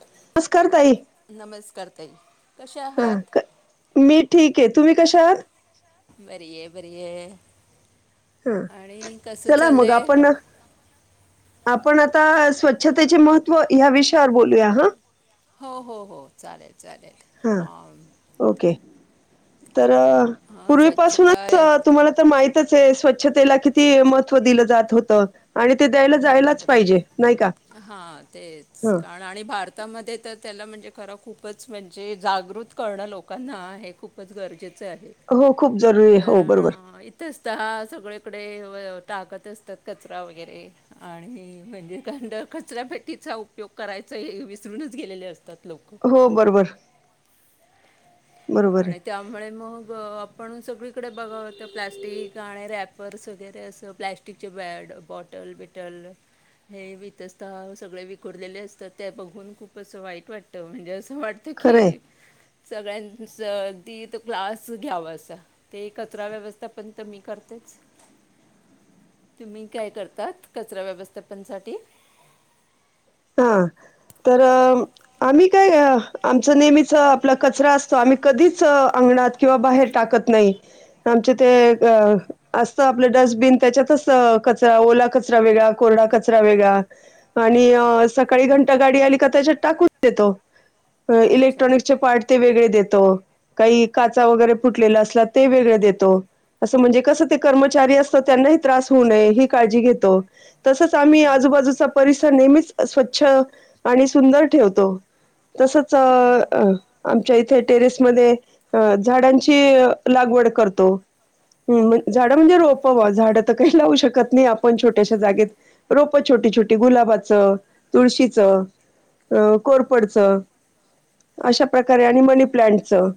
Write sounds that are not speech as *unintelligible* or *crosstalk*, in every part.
नमस्कार ताई ते *unintelligible* हा मी ठीक ओके तुम्ही कशा आहात बरीये बरीये हा आणि कसं चला मग चाल्लय आपण आपण आता स्वच्छतेचे महत्त्व ह्या विषयावर बोलूया हा हो हो हो चालेल चालेल हा हां ओके तर हां स्वच्छता पूर्वीपासूनच तुम्हाला तर माहितच आहे स्वच्छ स्वच्छतेला किती महत्त्व दिलं जात होतं आणि ते द्यायला जायलाच बरोबर पाहिजे नाही का हा तेच ह कारण आणि भारतामध्ये तर त्याला म्हणजे खरा खूपच म्हणजे जागृत करणं लोकांना हे खूपच गरजेचं चालेल हो खूप जरुरी आहे हो बरोबर कारण इथेच सगळीकडे ताकत असतात कचरा वगैरे आणि म्हणजे खरतर कचरापट्टीचा उपयोग करायचा हे विसरूनच गेलेले असते हो बरोबर बरोबर आहे आणि त्यामुळे मग आपण सगळी इकडे बघावं तर प्लास्टिक आणि रॅपरस वगैरे असं प्लॅस्टिकचे बॅड बॉटल बिटल हे वितस्ता सगळे विकुरलेले असतात ते बघून खूप असं वाईट वाटतं म्हणजे अस अस वाटत की खरं आहे सगळ्यां अगदी तीथ क्लास घ्यावा असा ते कचरा व्यवस्थापन तर मी करतेच तुम्ही काय करताात कचरा व्यवस्थापनसाठी हा तर आम्ही काय आमच नेहमीच आपला कचरा असतो आम्ही कधीच अंगणात किंवा बाहेर टाकत नाही आमचे ते असत आपलं डस्टबिन त्याच्यातच कचरा ओला कचरा वेगळा कोरडा कचरा वेगळा आणि सकाळी घंटा गाडी आली का त्याच्यात टाकून देतो अच्छा इलेक्ट्रॉनिक्चे पार्ट ते वेगळे देत काही काचा वगैरे फुटलेल्या असला ते वेगळे देतो असं म्हणजे कस ते कर्मचारी असत त्यांना हि त्रास होऊ नये हि काळजी घेतो तसंच आम्ही हां आजूबाजूचा परिसर नेहमीच स्वच्छ आणि सुंदर ठेवतो तसंच हां आ आमच्या इथे टेरेसमध्येध्ये झाडांची लागवड करतो झाडं म्हणजे रोप वा झाड तर काही लावू शकत नाही आपण छोट्याश्या जागेत रोप छोटी छोटी गुलाबाचं तुळशीचं कोरपडचं अशा प्रकारे आणि मनी प्लांटचं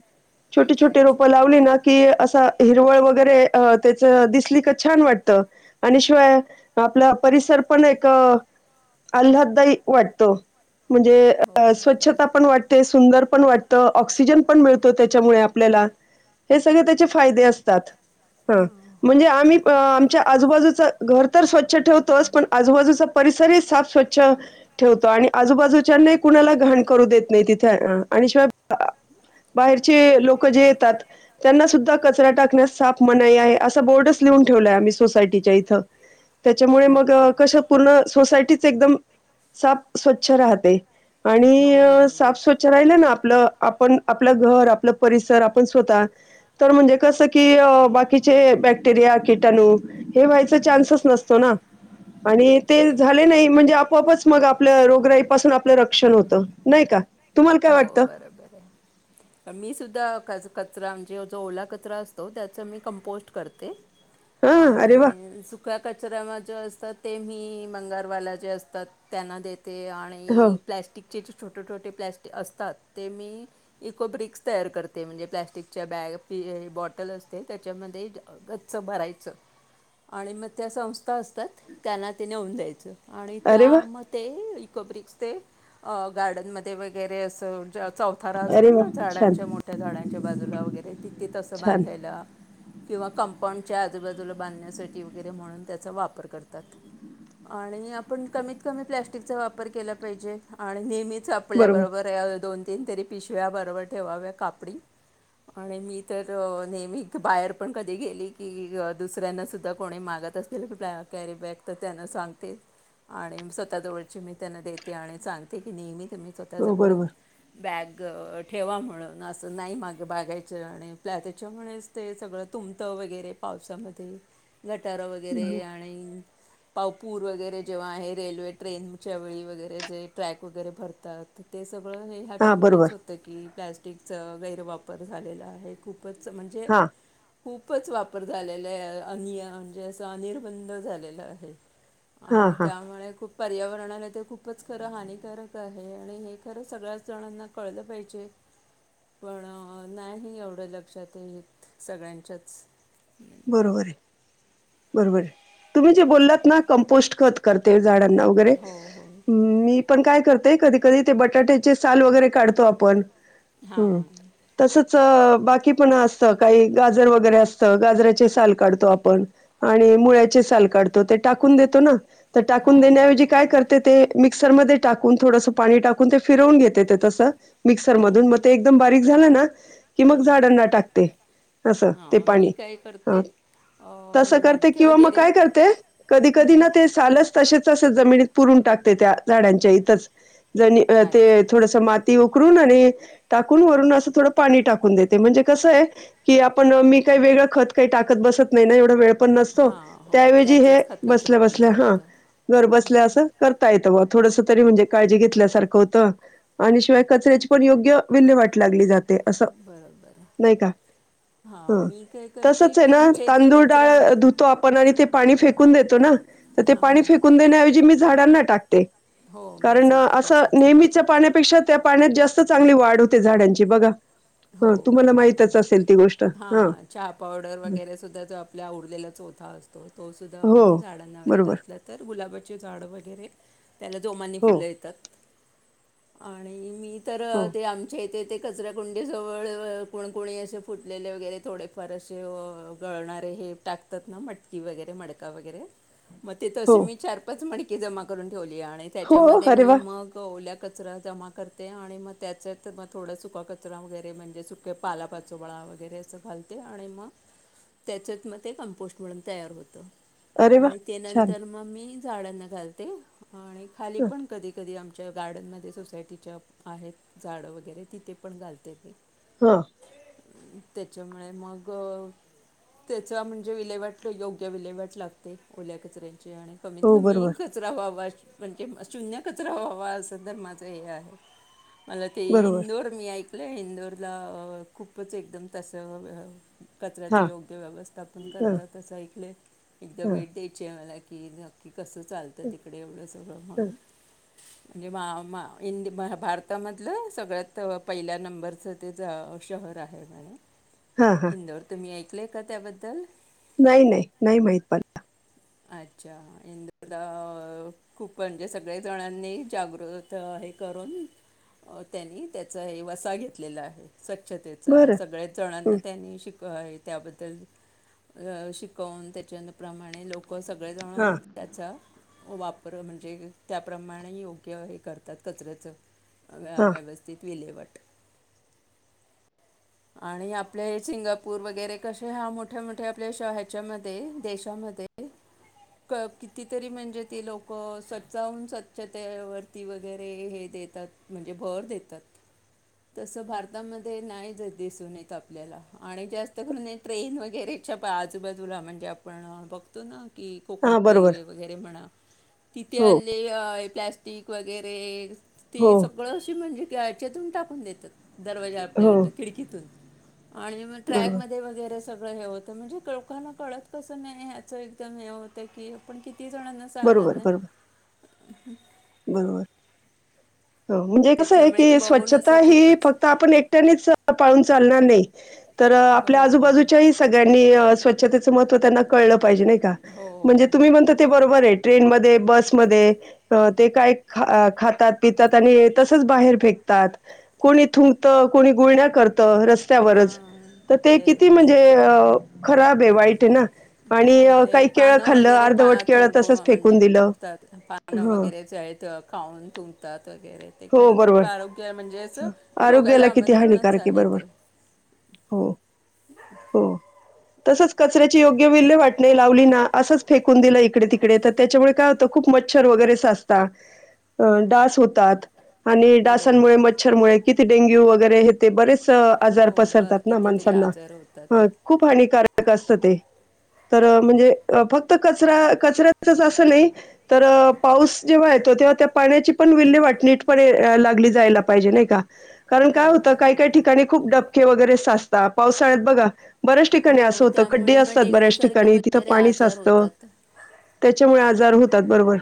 छोटे छोटे अच्छा रोपं लावली ना की हिरवळ वगैरे त्याच दिसली तर छान वाटत आणि शिवाय आपला परिसर पण एक अल्हदाई वाटतो. म्हणजे हो स्वच्छता पण बरोबर वाटते. ते सुंदर पण वाटतं. ऑक्सिजन पण मिळतो त्याच्यामुळे आपल्याला हे सगळे त्याचे फायदे असतात. हा हो म्हणजे हो आम्ही आ आजूबाजूचं घर तर स्वच्छ ठेवतोच पण आजूबाजूचा परिसरही साफ स्वच्छ ठेवतो आणि आजूबाजूच्याना कुणाला घाण करू देत नाही तिथे आणि शिवाय बाहेरचे लोक जे येतात त्यांना सुद्धा कचरा टाकण्यास साफ मनाई आहे असा बोर्डच लिहून ठेवलाय आम्ही सोसायटीच्या इथं त्याच्यामुळे मग अच्छा कशं पूर्ण सोसायटीत एकदम साफ स्वच्छ राहते. हो आणि साफ म्हणजे स्वच्छ राहिला ना आप आपल आपण आपलं घर आपलं परिसर आपण स्वत तर म्हणजे कस की बाकीचे बॅक्टेरिया किटाणू हे व्हायचा चान्सस नसतो ना. आणि ते झाले बरं नाही म्हणजे आपोआपच मग आपल्या रोगराईपासून आपलं रक्षण होतं नाही का तुम्हाला काय हो वाटतं बरोबर आहे मी सुद्धा कचरा म्हणजे जो ओला कचरा असतो त्याच मी कंपोस्ट करते. हा अरे वा आणि सु- -क्या कचऱ्यामध्ये जे असतात ते मी मंगारवाला जे असतात त्यांना देत ते हो आणि प्लॅस्टिक तिचे छोटे छोटे प्लास्टिक असतात ते मी इको ब्रिक्स तयार करते म्हणजे प्लॅस्टिकच्या बॅग पी बॉटल असते त्याच्यामध्ये गच्च भरायचं आणि मग त्या संस्था असतात त्यांना ते नेऊन द्यायचं. आणि अरे वा त्यामध्ये कब्रज ते गार्डन मध्ये वै वगैरे असं चौथारा असतो अरे वा ना छान झाडांच्या मोठ्या झाडांच्या बाजूला वगैरे तिथे तसं छान बांधायला किंवा कंपाऊंडच्या आजूबाजूला बांधण्यासाठी वगैरे म्हणून त्याचा वापर करतात आणि आपण कमीत कमी प्लॅस्टिकचा वापर केला पाहिजे आणि नेहमीच बरोबर आपल्याबरोबर दोन तीन तरी पिशव्या बरोबर ठेवाव्या कापडी आणि मी तर नेहमी बाहेर पण कधी गेली की दुसऱ्यांना सुुद्धा कोणी मागत असलेल की कॅरी बॅग तर त्यांना सांगते आणि स्वतःजवळची मी त्यांना देते आणि सांगते की नेहमी तुम्ही स्वतः हो जवळ बरोबर बॅग ठेवा म्हणून असं नाही मागायचं आणि फ्लॅ त्याच्यामुळेच ते सगळं तुमतं वगैरे पावसामध्ये गटार वगैरे बरोबर आणि पावपूर वगैरे जेव्हा आहे रेल्वे ट्रेनच्या वेळी वगैरे जे ट्रॅक वगैरे भरतात तेच सगळं हे हा बरोबर ह्याच्यामुळेच होतं की प्लास्टिक तेच गैरवापर झालेला आहे खूप पंच म्हणजे हा खूपच वापर झालेला आहे अनि म्हणजे अस अनिर्बंध झालेलं आहे हा आणि हा त्यामुळे खूप पर्यावरणाला तर खूपच खरं हानिकारक आहे हे आणि हे खरं सगळ्याच जणांना कळलं पाहिजे पण नाही एवढं लक्षात येत सगळ्यांच्याच बरोबर आहे बरोबर आहे तुम्ही जे बोललात ना कंपोस्ट खत करते झाडांना वगेरे हो हो *unintelligible* पण काय करतय कधी कधी ते बटाट्याचे साल वगैरे काढतो आपण हां हम्म हां तसच च बाकी पण असत काही गाजर वगैरे असत गाजराच ते साल काढतो आपण आणि मुळ्याचे साल काढतो ते टाकून देतो ना तर टाकून हो हो देण्याऐवजी हो काय करते ते मिक्सरमध्ये टाकून थोडसं पाणी टाकून, ते फिरवून घेते ते तसं मिक्सरमधून. मग हां ते एकदम बारीक झालं ना, की हां मग झाडांना टाकते, असं ते हां पाणी. मी काय हा करते अ, तसं हे करते मडके किंवा मग वगैरे काय करते, कधी कधी ना ते सालच तसेच असं जमिनीत पुरून टाकते, त्या झाडांच्या इथंच. जनी ते अच्छा थोडसं माती उ करून आणि टाकून वरून असं थोडं पाणी टाकून देते. म्हणजे कसं हाय, की आपण मी काय वेगळं खत काही टाकत बसत नाही ना, एवढं वेळ पण नसतो. हां हो त्यावेजी हे त्याचंच खतात बसल्या बसल्या, रूपांतर हा होतं घरबसल्या असं करता येत व थोडसं तरी म्हणजे काळजी घेतल्यासारखं होतं आणि शिवाय कचऱ्याची पण योग्य विल्हेवाट लागली जा बरोबर. हा मी काय कर तच हे ना, तांदूळ डाळ धुतो आपण आणि ते पाणी फेकून देतो ना. तर ते हां पाणी फेकून देण्याऐवजी मीच झाडांना टाकते. हो मी कारण सुद्धा असं तसंच करते नेहमीच्या पाण्यापेक्षा त्या पाण्यात जास्त चांगली वाढ होते झाडांची बघा. हो हा तुम्हाला बरोबर माहितच असेल ती गोष्ट, हा. वडर वगैरेसुद्धा जो आपला उरलेला चोथा असतो तोसुद्धा हो आपण झाडांना वगैरे बरोबर घातला, तर गुलाबा चे झाडं वगैरे त्याला जोमांनी हो फुलं येतात. आणि मी तर हो ते आमचे ते ते कचऱ्या कुं डीजवळ कोणी असं फुटलेले वगैरे थोडेफार असे अ गळणारे हे टाकतात ना, मटकी वगैरे, मडका वगैरे. मग तिथं हो असे मी चार पाच मड की जमा करून ठेवली आणि हो त्याच्यामध्ये अरे मी वा मग ओल्या कचरा जमा करते आणि मग त्याच्यात मग थोडं सुका कच रा वगैरे म्हणजे सुके पालापाचोबाळा वगैरे असं घालते आणि मग त्याच्यात म ते कम्पोस्ट म्हणून तयार होतं. अरे वा आणि ते छान नंतर म मी झाडांना घालते. आणि खाली ह पण कधी कधी आम आच्या गार्डनमध्ये सोसायटीच्या आहेत झाडं वगैरे तिथे पण घालते मी हा त्याच्यामुळे मग त्याचा म्हणजे विलेहेवाट योग्य विलेवाट लागते ओल्या कचऱ्या आणि कमीत हो कमी बरोबर कचरा व्हावा म्हणजे शून्य कचरा व्हावा असं माझं हे मत आहे मला ते बरोबर इंदोर ऐकलं इंदरला खूपच एकदम तस हा कचऱ्याचे योग्य व्यवस्था पण ह करत तसं ऐकले एकदा ह भेट द्यायची आहे मला खकी *inaudible* कसं चालतं तिकडे एवढं सगळं ह म्हणून म्हणजे मा भारतामधलं सगळ्यात तर पहिल्या नंबरचं ते शहर आहे हा हा इंदोर तुम्ही ऐकलं का त्याबद्दल नाही नाही नाही माहित मला अच्छा इंदूला खूप म्हणजे सगळे जणांनी जागृत हे करून त्यांनी त्याचा हे वसाह घेतलेला आहे स्वच्छतेचा बरं सगळ्याच जणांना त्यांनी शिकवलं त्या बद्दल शिकवून त्याच्या प्रमाने लोक सगळे हा जण त्याचा वापर म्हणजे त्याप्रमाणे योग्य हे करतात कचऱ्याचं व हा व्यवस्थित विले वाटतात आणि आपले सिंगापूर वगैरे कसे हा मोठ्या मोठ्या आपल्या ह्याच्या मध्ये देशामध्ये कितीतरी म्हणजे ती लोकं स्वतः हून स्वच्छतेवरती वगैरे हे देतात म्हणजे भर देतात तसं भारतामध्ये नाही दिसून येत आपल्याला आणि जास्त करून ट्रेन च्या आजू बाजूला बघतोच आपण कोकण हा बरोबर रेल्वे वगैरे म्हणा तिथे हो आली प्लाॅस्टिक वगैरे ती हो सगळं अशी म्हणजे कि तिथून टाकून देतात दरवाजा हो आपल्याकड खिडकीतून आणि मग बरोबर ट्रॅकमध्ये वगैरे सगळं हे होतं म्हणजे लोकांना कळत कसं नाही ह्याचं एकदम हे होत तर क आपण क *inaudible* किती जणांना सांगणार बरोबर ना? बरोबर ह बरोबर म्हणजे कसं आहे त्याच्यामुळे ते की बघून स्वच्छता असं ही खूपच फक्त आपण एकट्यानेच पाळून चालणार नाही तर आपल्या हो आजूबाजूच्याही सगळ्यांनी स्वच्छतेचं महव त्यांना कळलं नाही का म्हणजे हो तुम्ही म्हण ते बरोबर आहे ट्रेनमध्ये बसमध्ये ते काय खातात पितात आणि तसच बाहेर फेकतात कोणी थुंकतात कोणी गुळण्या करतात रस्त्यावरच हां तर ते किती तेच म्हणजे खराब आहे वाईट आहे ना. हो आणि अ, ते काही केळं पानं खाल्लं वगैरे अर्धवट केळं तसंच थुंकतात फेकून म्हणजेु दिलं. पानं ह वगैरेच खाऊन थुंकतात वगैरे ते हो खरं खूप बरोबर. आरोग्य म्हणजेच आरोग्याला रोगाला किती आमंत्रणच हानिकारक आहे बरोबर ते हो हो तसंच कचऱ्याची योग्य विल्य वाट नाही लावली ना असंच फेकून दिलं इकडे तिकडे तर त्याच्यामुळे काय होतं खूप मच्छर वगैरे साचतात, डास होतात आणि हॅलो डासांमुळे, मच्छरमुळे किती डेंग्यू वगैरे ते बरेच आजार हो ब पसरतात ना कितीतरी माणसांना आजार होतात खूप हानिकक असत ते तर म्हणजे फक्त कचरा कचऱ्याचच असं नाही तर पाऊस जेव्हा येतो तेव्हा त्या पाण्याची पण विल्हे वाटणी निट पणे लागली जायला पाहिजे नाही का? कारण काय हो होतं काही काही बरोबर ठिकाणी आहे खूप डबके वगैरे साच पावसाळ्यात बघा बऱ्याच ठिकाणी हो असं होतं खड्डे त्यामुळे मग असतात बऱ्याच डेंगूसारखे ठिकाणी, तिथं वगैरे पाणी आजार साचतं, होतात त्याच्यामुळे आजार होतात, बरोबर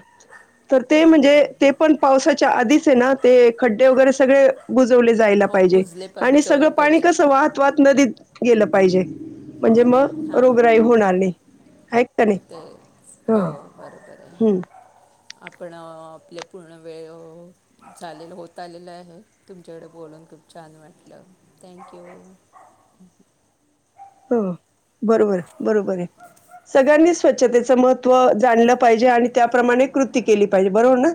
तर ते हो म्हणजे हो ते पण पावसाच्या आधीच ते खड्डे वगैरे सगळे बुजवले जायला हो पाहिजे बुजले पा आणि सगळं बुजवले पाणी कसं पाहिजेत वाहत वाहत नदीत गेलं पाहिजे म्हणजे मग रोगराई हां होणार नाही ऐकत नाही तेच हा हो बरोबर आहे हम्म आपण अं आपल्या पूर्ण वेळ झालेल होत आलेल आहे तुमच्याकडे बोलून खूप छान वाटलं थँक्यू हो बरोबर! बरोबर आहे. सगळ्यांनी स्वच्छतेच महत्त्व जाणलं पाहिजे आणि त्याप्रमाणे कृती केली पाहिजे. बरोबर ना!